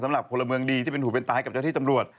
สำหรับพลเมืองดีที่เป็นหูเป็นตายกับเจ้าที่ตำรวจ